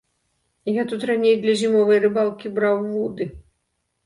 Я тут раней для зімовай рыбалкі браў вуды.